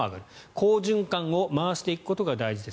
好循環を回していくことが大事です。